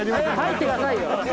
入ってくださいよ！